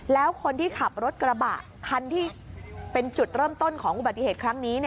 แล้วคนที่ขับรถกระบะคันที่เป็นจุดเริ่มต้นของอุบัติเหตุครั้งนี้